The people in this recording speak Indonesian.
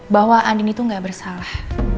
bahwa andi itu gak bersalah